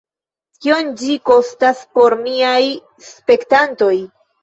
Kiom ĝi kostas por miaj spektantoj?